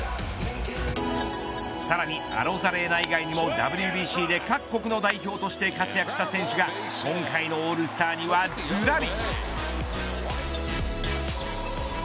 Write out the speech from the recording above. さらにアロザレーナ以外にもＷＢＣで各国の代表として活躍した選手が今回のオールスターにはずらり。